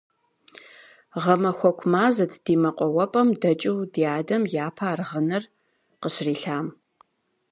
Гъэмахуэку мазэт ди мэкъуауапӀэм дэкӀыу дядэм япэ аргъынэр къыщрилъам.